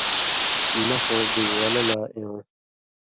مہ خو بِگ ولہ لا اېوں